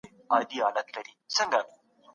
ورور مي وویل چي زده کړه یوازینۍ لاره ده.